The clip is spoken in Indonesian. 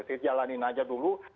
jadi jalanin aja dulu